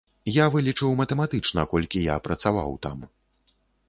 Я вылічыў матэматычна, колькі я працаваў там.